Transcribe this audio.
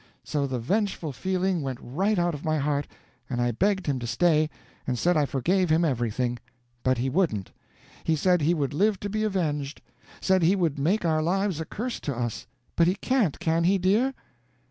So the vengeful feeling went right out of my heart, and I begged him to stay, and said I forgave him everything. But he wouldn't. He said he would live to be avenged; said he would make our lives a curse to us. But he can't, can he, dear?"